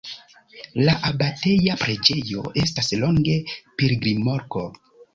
La abateja preĝejo estas longe pilgrimloko.